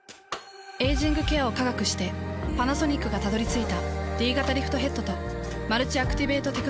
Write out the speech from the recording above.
エイジングケアを科学してパナソニックがたどり着いたＤ型リフトヘッドとマルチアクティベートテクノロジー。